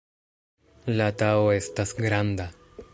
La Tao estas granda.